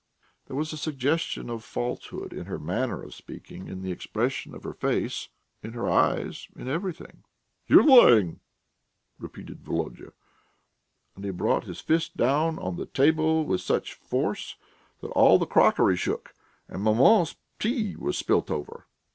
There was a suggestion of falsehood in her manner of speaking, in the expression of her face, in her eyes, in everything. "You are lying," repeated Volodya; and he brought his fist down on the table with such force that all the crockery shook and maman's tea was spilt over.